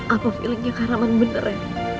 apa feelingnya kah roman bener ya